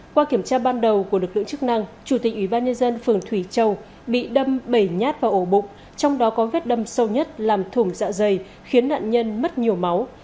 qua kiểm tra ban đầu của lực lượng chức năng chủ tịch ủy ban nhân dân phường thủy châu bị đâm bẩy nhát vào ổ bụng trong đó có vết đâm sâu nhất làm thủng dạ dày khiến nạn nhân mất nhiều máu